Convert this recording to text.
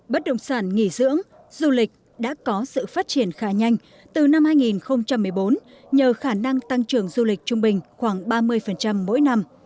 bất động sản nghỉ dưỡng du lịch đã có sự phát triển khá nhanh từ năm hai nghìn một mươi bốn nhờ khả năng tăng trưởng du lịch trung bình khoảng ba mươi mỗi năm